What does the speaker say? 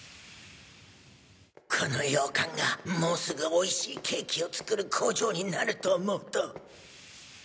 この洋館がもうすぐ美味しいケーキを作る工場になると思うと。